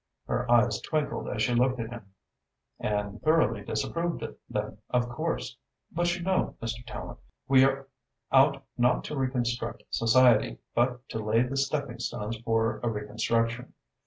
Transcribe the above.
Her eyes twinkled as she looked at him. "And thoroughly disapproved them, of course! But you know, Mr. Tallente, we are out not to reconstruct Society but to lay the stepping stones for a reconstruction.